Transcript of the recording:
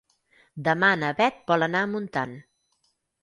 Demà na Bet vol anar a Montant.